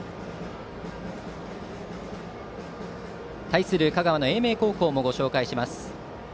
対する香川の英明高校もご紹介します。